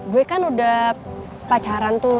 gue kan udah pacaran tuh